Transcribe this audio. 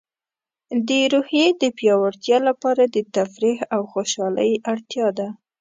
د روحیې د پیاوړتیا لپاره د تفریح او خوشحالۍ اړتیا ده.